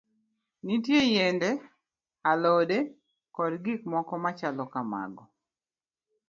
Nitie yiende, alode, kod gik mamoko machalo kamago.